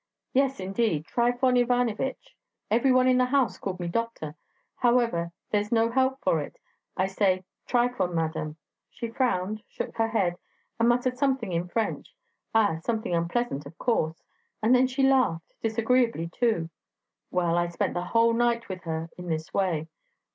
Yes, indeed; Trifon Ivanich. Every one in the house called me doctor. However, there's no help for it. I say, 'Trifon, madam.' She frowned, shook her head, and muttered something in French ah, something unpleasant, of course! and then she laughed disagreeably too. Well, I spent the whole night with her in this way.